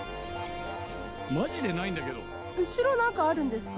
マジでないんだけど後ろ何かあるんですか？